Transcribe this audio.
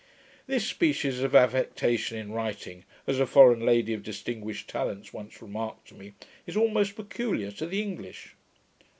This species of affectation in writing, as a foreign lady of distinguished talents once remarked to me, is almost peculiar to the English.